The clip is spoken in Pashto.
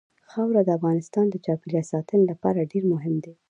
خاوره د افغانستان د چاپیریال ساتنې لپاره ډېر مهم دي.